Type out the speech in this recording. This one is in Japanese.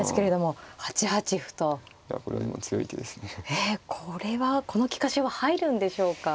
ええこれはこの利かしは入るんでしょうか。